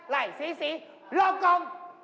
ละก๊อม